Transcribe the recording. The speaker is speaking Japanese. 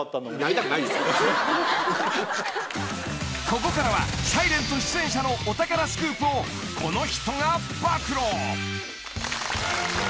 ［ここからは『ｓｉｌｅｎｔ』出演者のお宝スクープをこの人が暴露］